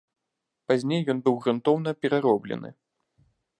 Пазней ён быў грунтоўна перароблены.